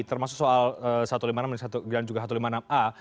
termasuk soal satu ratus lima puluh enam dan juga satu ratus lima puluh enam a